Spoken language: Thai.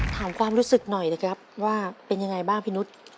ความรู้สึกหน่อยนะครับว่าเป็นยังไงบ้างพี่นุษย์